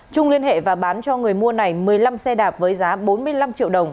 trung liên hệ và bán cho người mua này một mươi năm xe đạp với giá bốn mươi năm triệu đồng